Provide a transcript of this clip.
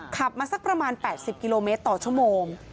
ขับมาสักประมาณ๘๐กิโลเมตรต่อชั่วโมง